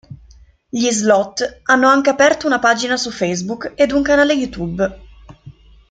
Gli Slot hanno anche aperto una pagina su Facebook ed un canale YouTube.